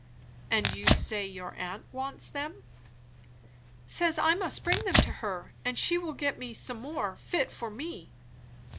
"And you say your aunt wants them?" "Says I must bring them to her, and she will get me some more fit for me."